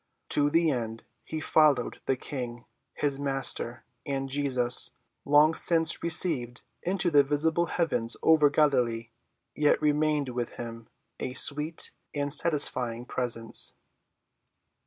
To the end he followed the King, his Master, and Jesus, long since received into the visible heavens over Galilee, yet remained with him, a sweet and satisfying presence.